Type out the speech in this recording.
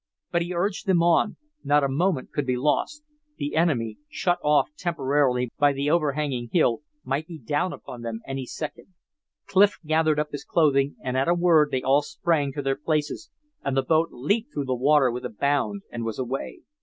But he urged them on. Not a moment could now be lost. The enemy, shut off temporarily by the overhanging hill, might be down upon them any second. Clif gathered up his clothing and at a word they all sprang to their places and the boat leaped through the water with a bound, and was away.